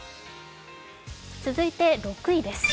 続いて６位です。